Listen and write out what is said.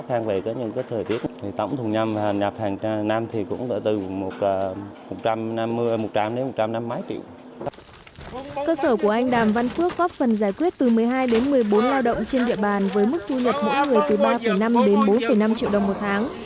anh phước đồng bàn với mức thu nhập mỗi người từ ba năm đến bốn năm triệu đồng một tháng